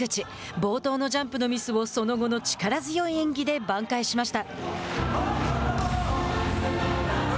冒頭のジャンプのミスをその後の力強い演技で挽回しました。